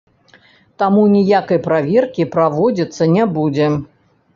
Таму ніякай праверкі праводзіцца не будзе.